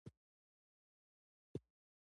تاسو په دې تونل ورواوړئ هلته مو خیمې دي.